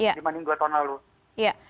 dibandingkan dua tahun lalu